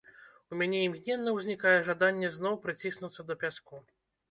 У мяне імгненна ўзнікае жаданне зноў прыціснуцца да пяску.